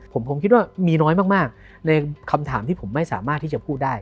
ผมคิดว่ามีน้อยมากในคำถามที่ผมไม่สามารถที่จะพูดได้